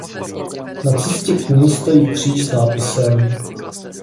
Na cestě k ní stojí kříž s nápisem.